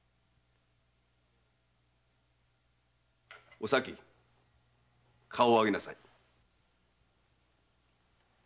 おさき顔を上げなさい。